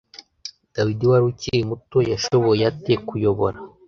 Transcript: Dawidi wari ukiri muto yashoboye ate kuyobora